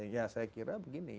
ya saya kira begini